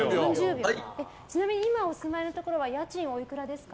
ちなみに今お住いのところ家賃はおいくらですか？